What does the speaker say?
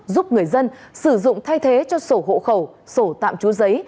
giúp người dân sử dụng thay thế cho sổ hộ khẩu sổ tạm chúa giấy